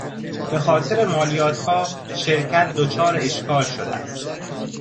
به خاطر مالیاتها شرکت دچار اشکال شده است.